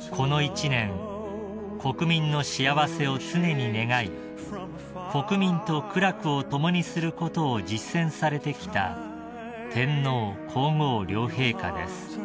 ［この一年国民の幸せを常に願い国民と苦楽を共にすることを実践されてきた天皇皇后両陛下です］